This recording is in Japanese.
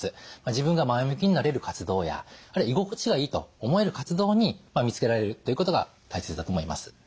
自分が前向きになれる活動や居心地がいいと思える活動に見つけられるということが大切だと思います。